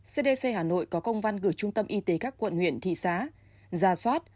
cdc hà nội có công văn gửi trung tâm y tế các quận huyện thị xã ra soát